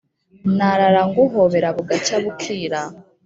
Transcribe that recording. Narara nguhobera bugacya bukira